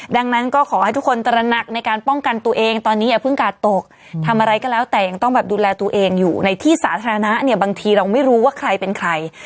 ดังนั้นก็ขอให้ทุกคนตระหนักในการป้องกันตัวเองตอนนี้อย่าเพิ่งกาดตกทำอะไรก็แล้วแต่ยังต้องแบบดูแลตัวเองอยู่ในที่สาธารณะเนี่ยบางทีเราไม่รู้ว่าใครเป็นใคร